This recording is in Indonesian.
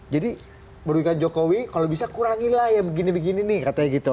jadi merugikan jokowi kalau bisa kurangilah ya begini begini nih katanya gitu